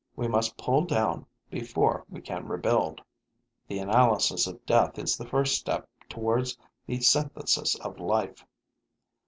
We must pull down before we can rebuild; the analysis of death is the first step towards the synthesis of life.